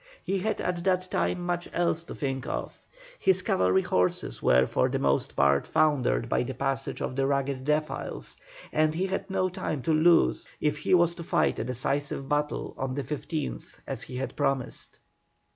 He had at that time much else to think of, his cavalry horses were for the most part foundered by the passage of the rugged defiles, and he had no time to lose if he was to fight a decisive battle on the 15th as he had promised.